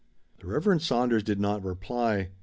The Reverend Saunders did not reply.